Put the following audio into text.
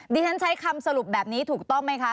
ดิฉันใช้คำสรุปแบบนี้ถูกต้องไหมคะ